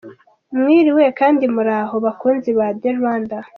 Mwiriwe kandi muraho bakunzi ba The Rwandan?